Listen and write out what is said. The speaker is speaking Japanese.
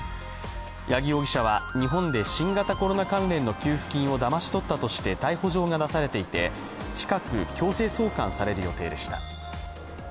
八木容疑者は日本で新型コロナ関連の給付金をだまし取ったとして逮捕状が出されていて近く強制送還される予定でした。